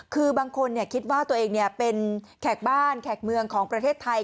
คือบางคนคิดว่าตัวเองเป็นแขกบ้านแขกเมืองของประเทศไทย